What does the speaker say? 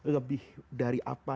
lebih dari apa